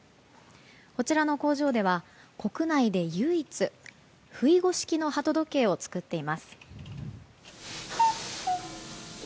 こちらの工場では国内で唯一ふいご式の鳩時計を作っています。